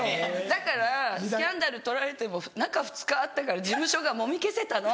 だからスキャンダル撮られても中２日あったから事務所がもみ消せたの。